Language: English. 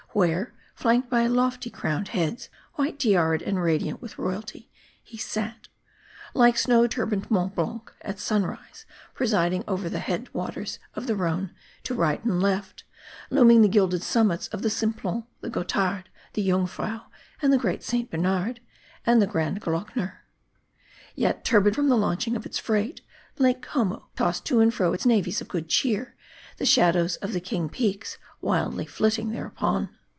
Where, flanked by lofty croAvned heads, white tiaraed, and radiant with royalty, he sat ; like snow turbaned Mont Blanc, at sunrise presiding over the head waters of the Rhone ; to right and left, looming the gilded summits of the Simplon, the Gothard, the Jungfrau, the Great St. Bernard, and the Grand Glockner. Yet turbid from the launching of its freight, Lake Como tossed to and fro its navies of good cheer, the shadows of the king peaks wildly flitting thereupon.